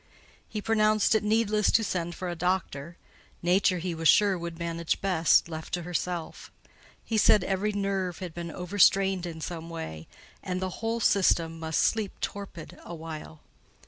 He pronounced it needless to send for a doctor: nature, he was sure, would manage best, left to herself. He said every nerve had been overstrained in some way, and the whole system must sleep torpid a while.